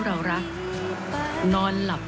ในหลังไป